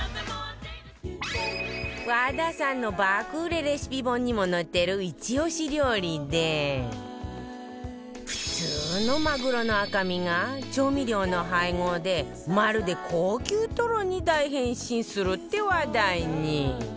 和田さんの爆売れレシピ本にも載ってるイチ押し料理で普通のマグロの赤身が調味料の配合でまるで高級トロに大変身するって話題に